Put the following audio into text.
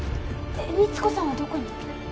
律子さんはどこに？